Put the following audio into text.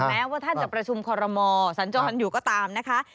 แม้ว่าถ้าจะประชุมคอนลาโมสัญจรรย์อยวก็ตามนะคะ